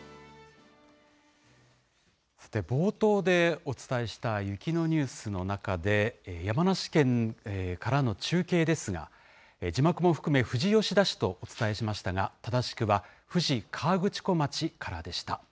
冒頭でお伝えした雪のニュースの中で、山梨県からの中継ですが、字幕も含め、富士吉田市とお伝えしましたが、正しくは富士河口湖町からでした。